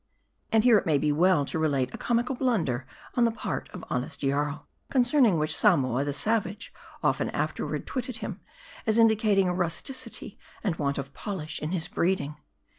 And here it may be well to relate a comical blunder on the part of honest Jarl ; concerning which, Samoa, the savage, often afterward twitted him ; as indicating a rustici ty, and want of polish in his breeding.